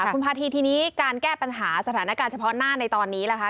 คุณพาธีทีนี้การแก้ปัญหาสถานการณ์เฉพาะหน้าในตอนนี้ล่ะคะ